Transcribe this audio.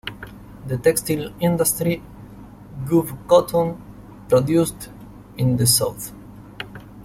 The textile industry wove cotton produced in the South.